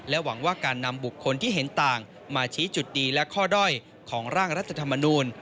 หวังว่าการนำบุคคลที่เห็นต่างมาชี้จุดดีและข้อด้อยของร่างรัฐธรรมนูล